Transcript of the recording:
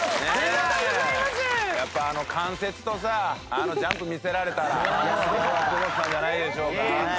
やっぱあの関節とさあのジャンプ見せられたら今日は久保田さんじゃないでしょうか。